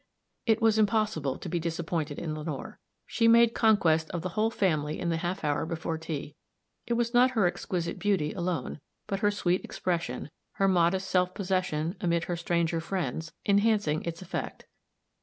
It was impossible to be disappointed in Lenore. She made conquest of the whole family in the half hour before tea. It was not her exquisite beauty alone, but her sweet expression, her modest self possession amid her stranger friends, enhancing its effect.